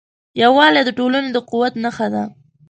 یووالی د ټولنې د قوت نښه ده.